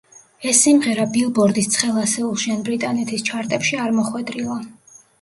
ეს სიმღერა „ბილბორდის“ ცხელ ასეულში ან ბრიტანეთის ჩარტებში არ მოხვედრილა.